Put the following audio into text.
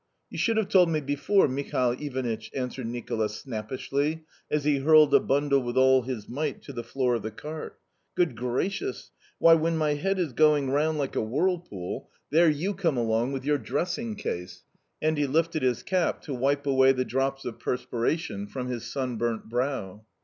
"You should have told me before, Michael Ivanitch," answered Nicola snappishly as he hurled a bundle with all his might to the floor of the cart. "Good gracious! Why, when my head is going round like a whirlpool, there you come along with your dressing case!" and he lifted his cap to wipe away the drops of perspiration from his sunburnt brow.